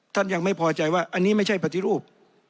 ยังไม่พอใจว่าอันนี้ไม่ใช่ปฏิรูป